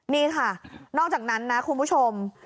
นี่ค่ะนอกจากนั้นนะคุณผู้ชม